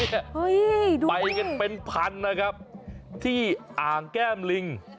ไปกันเป็นพันนะครับที่อ่างแก้มลิง